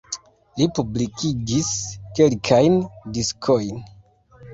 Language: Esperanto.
Li publikigis kelkajn diskojn.